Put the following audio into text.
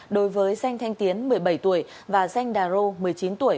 đối với danh thanh tiến một mươi bảy tuổi và danh đà rô một mươi chín tuổi